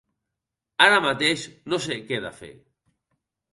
Ara mateix no sé què he de fer.